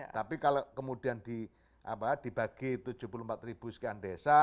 tapi kalau kemudian dibagi tujuh puluh empat ribu sekian desa